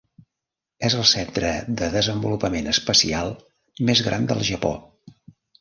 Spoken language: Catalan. És el centre de desenvolupament espacial més gran del Japó.